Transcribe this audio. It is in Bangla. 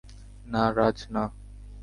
না রাজ, না।